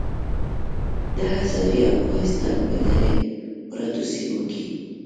د هزارې او کوهستان پۀ لرې پرتو سيمو کې